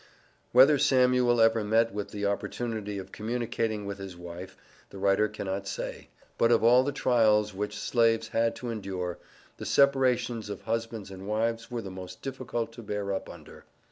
Whether Samuel ever met with the opportunity of communicating with his wife, the writer cannot say. But of all the trials which Slaves had to endure, the separations of husbands and wives were the most difficult to bear up under.